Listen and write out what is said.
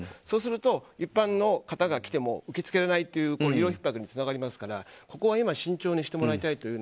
そうなると一般の方が受け付けられないということにつながりますからここは慎重にしてもらいたい。